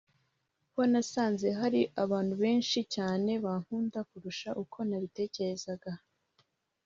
ho nasanze hari abantu benshi cyane bankunda kurusha uko ntabitekerezaga